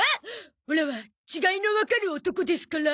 オラは違いのわかる男ですから。